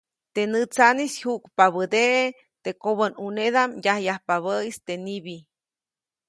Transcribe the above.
Teʼ nätsaʼnis jyuʼkpabädeʼe teʼ kobänʼunedaʼm yajyajpabäʼis teʼ nibi.